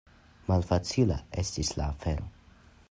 Malfacila estis la afero.